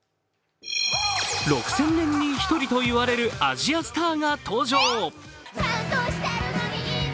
６０００年に１人と言われるアジアスターが登場。